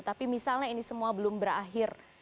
tapi misalnya ini semua belum berakhir